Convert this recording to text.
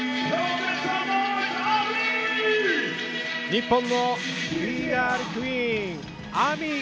日本のＢ−ＧＩＲＬクイーン・ＡＭＩ。